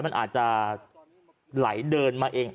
มันอาจจะไหลเดินมาเอง